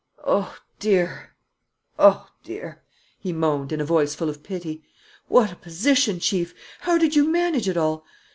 "Oh, dear, oh dear!" he moaned, in a voice full of pity. "What a position, Chief! How did you manage it all?